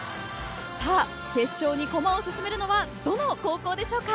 決勝に駒を進めるのはどの高校でしょうか。